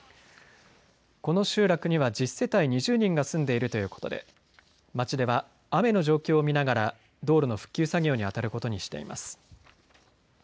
この集落には１０世帯２０人が住んでいるということで町では雨の状況を見ながら道路の復旧作業に当たることにしています。